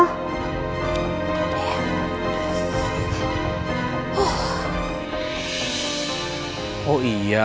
gimana sih ya